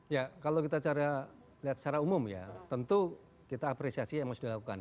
ya kalau kita lihat secara umum ya tentu kita apresiasi yang harus dilakukan